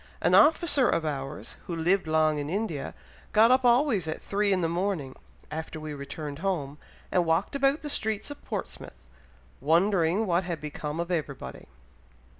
An officer of ours, who lived long in India, got up always at three in the morning, after we returned home, and walked about the streets of Portsmouth, wondering what had become of everybody."